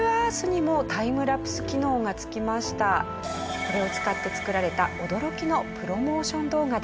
これを使って作られた驚きのプロモーション動画です。